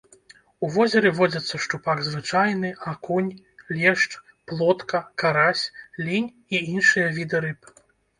У возеры водзяцца шчупак звычайны, акунь, лешч, плотка, карась, лінь і іншыя віды рыб.